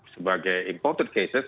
sebagai imported cases